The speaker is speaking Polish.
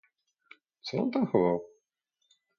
"Co on tam chował?"